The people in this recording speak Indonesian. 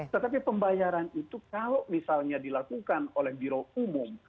tetapi pembayaran itu kalau misalnya dilakukan oleh biro umum